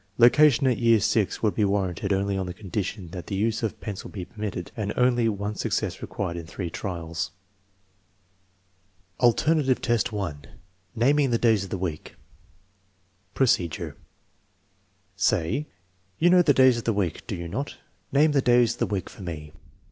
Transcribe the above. Location at year VI would be warranted only on the condition that the use of pencil be permitted and only one success required in three trials. VIIj Alternative test 1 : naming the days of the week Procedure. Say: "You 'know the days of the week, do you not ? Name the days of the week for me."